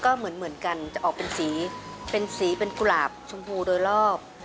ก็เหมือนกันจะออกเป็นสีกลาบชมพูโดยรอบ